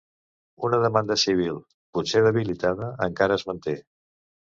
Una demanda civil, potser debilitada, encara es manté.